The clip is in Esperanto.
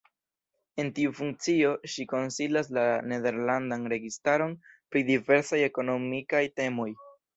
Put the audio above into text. En tiu funkcio ŝi konsilas la nederlandan registaron pri diversaj ekonomikaj temoj.